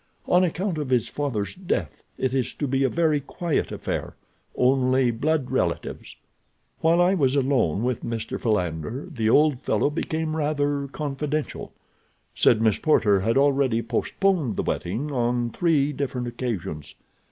On account of his father's death it is to be a very quiet affair—only blood relatives. While I was alone with Mr. Philander the old fellow became rather confidential. Said Miss Porter had already postponed the wedding on three different occasions.